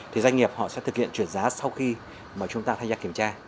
thì doanh nghiệp họ sẽ thực hiện chuyển giá sau khi mà chúng ta thanh tra kiểm tra